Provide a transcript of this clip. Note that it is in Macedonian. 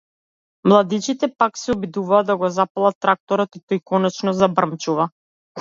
Младичите пак се обидуваат да го запалат тракторот и тој конечно забрмчува.